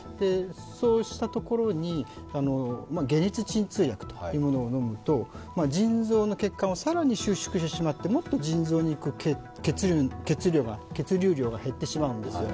そうしたところに解熱鎮痛薬というものを飲むと、腎臓の血管を更に収縮してしまって、もっと腎臓に血流量が減ってしまうんですよ。